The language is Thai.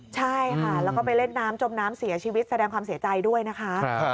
ใช่ค่ะแล้วก็ไปเล่นน้ำจมน้ำเสียชีวิตแสดงความเสียใจด้วยนะคะ